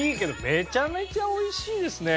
めちゃめちゃ美味しいですね。